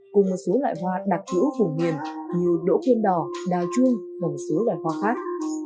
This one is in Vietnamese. cùng một số loài hoa đặc trữ vùng miền như đỗ kiên đỏ đào chuông và một số loài hoa khác